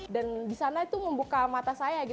dan di sana itu membuka mata saya